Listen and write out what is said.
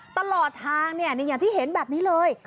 ตลอดทางอย่างที่เห็นแบบนี้เลย